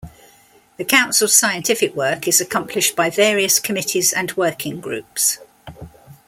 The Council's scientific work is accomplished by various committees and working groups.